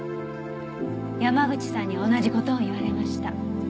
山口さんに同じ事を言われました。